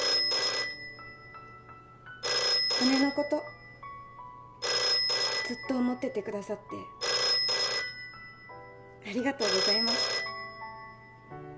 姉のことずっと思っててくださってありがとうございます